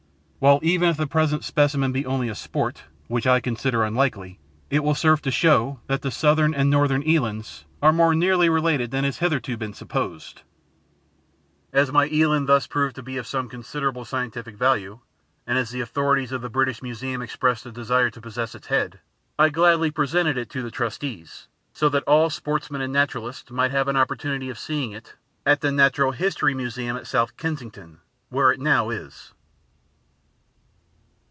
While, even if the present specimen be only a 'sport' (which I consider unlikely), it will serve to show that the southern and northern elands are more nearly related than has hitherto been supposed." 1 In error for "British." As my eland thus proved to be of some considerable scientific value, and as the authorities of the British Museum expressed a desire to possess its head, I gladly presented it to the Trustees, so that all sportsmen and naturalists might have an opportunity of seeing it at the Natural History Museum at South Kensington, where it now is.